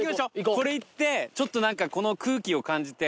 これ行ってちょっと何かこの空気を感じて。